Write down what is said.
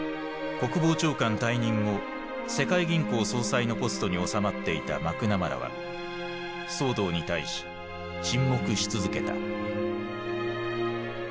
国防長官退任後世界銀行総裁のポストにおさまっていたマクナマラは騒動に対し沈黙し続けた。